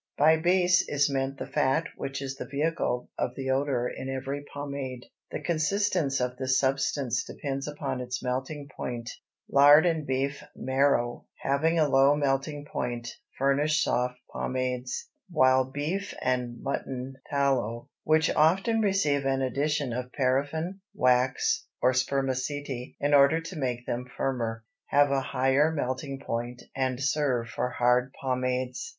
By base is meant the fat which is the vehicle of the odor in every pomade. The consistence of the substance depends upon its melting point; lard and beef marrow, having a low melting point, furnish soft pomades; while beef and mutton tallow, which often receive an addition of paraffin, wax, or spermaceti in order to make them firmer, have a higher melting point and serve for hard pomades.